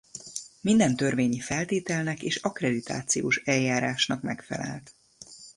Minden törvényi feltételnek és akkreditációs eljárásnak megfelelt.